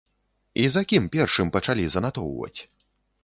І за кім першым пачалі занатоўваць?